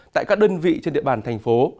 tại các đơn vị trên địa bàn thành phố